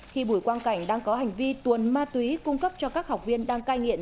khi bùi quang cảnh đang có hành vi tuồn ma túy cung cấp cho các học viên đang cai nghiện